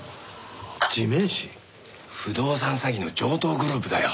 不動産詐欺の城東グループだよ。